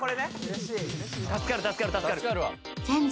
助かる助かる現状